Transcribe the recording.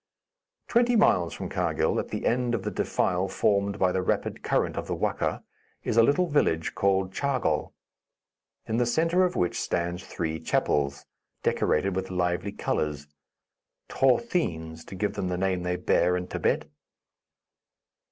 Twenty miles from Karghil, at the end of the defile formed by the rapid current of the Wakkha, is a little village called Chargol, in the centre of which stand three chapels, decorated with lively colors (t'horthenes, to give them the name they bear in Thibet).